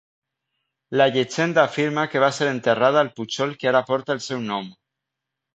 La llegenda afirma que va ser enterrada al pujol que ara porta el seu nom.